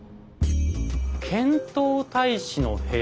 「遣唐大使の部屋」。